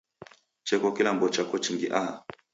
Cheko kilambo chako chingi aha?